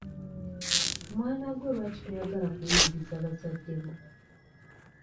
Mwana gwe lwaki toyagala kuwuliriza bazadde bo?